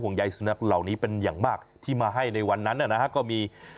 ใยสุนัขเหล่านี้เป็นอย่างมากที่มาให้ในวันนั้นนะฮะก็มี